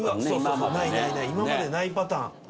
今までないパターン。